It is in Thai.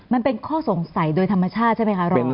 มันเป็นข้อสงสัยโดยธรรมชาติใช่ไหมคะ